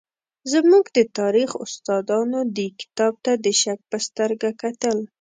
زموږ د تاریخ استادانو دې کتاب ته د شک په سترګه کتل.